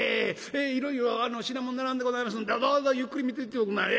いろいろ品物並んでございますんでどうぞゆっくり見ていっておくんなはれ。